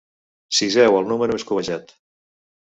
Ciseu el número més cobejat.